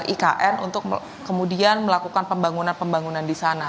ikn untuk kemudian melakukan pembangunan pembangunan di sana